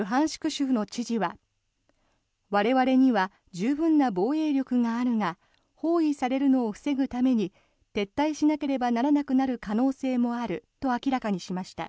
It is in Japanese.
州の知事は我々には十分な防衛力があるが包囲されるのを防ぐために撤退しなければならなくなる可能性もあると明らかにしました。